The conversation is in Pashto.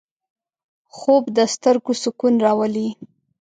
خوب د سترګو سکون راولي